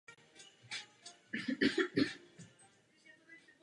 Útvar je součástí Přírodního parku Ještěd.